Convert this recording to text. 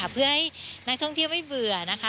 เพื่อให้นักท่องเที่ยวไม่เบื่อนะคะ